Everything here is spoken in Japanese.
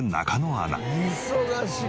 忙しい。